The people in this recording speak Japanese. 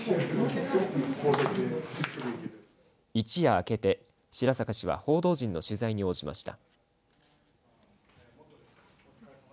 一夜明けて白坂氏は報道陣の取材に応じました。